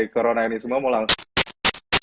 corona ini semua mau langsung